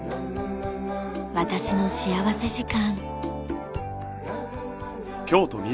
『私の幸福時間』。